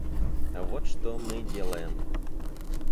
А вот что мы делаем.